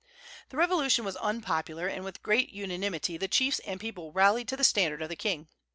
The revolution was unpopular, and with great unanimity the chiefs and people rallied to the standard of the king.